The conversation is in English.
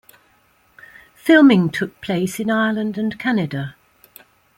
Filming took place in Ireland and Canada.